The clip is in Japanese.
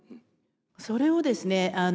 それをですね